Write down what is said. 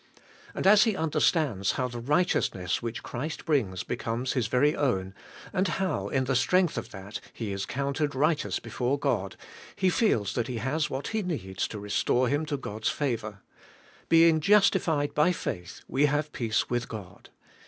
And as he understands how the righteousness which Christ brings becomes his very own, and how, in the strength of that, he is counted righteous before God, he feels that he has what he needs to restore him to God's favour: * Being justified by faith, we have peace with God.'